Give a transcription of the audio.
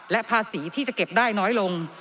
และภาษีที่จะเก็บได้น้อยลง